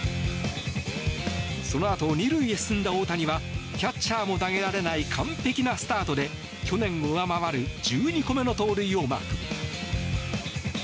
そのあと２塁へ進んだ大谷はキャッチャーも投げられない完璧なスタートで、去年を上回る１２個目の盗塁をマーク。